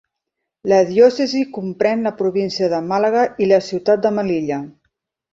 La diòcesi comprèn la província de Màlaga i la ciutat de Melilla.